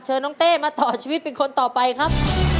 น้องเต้มาต่อชีวิตเป็นคนต่อไปครับ